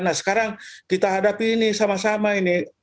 nah sekarang kita hadapi ini sama sama ini